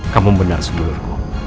kamu benar sedulurku